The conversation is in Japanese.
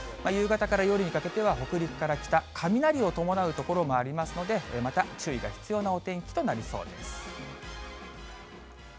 夕方から夜にかけては、北陸から北、雷を伴う所もありますので、また注意が必要なお天気となりそうです。